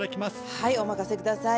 はいお任せ下さい。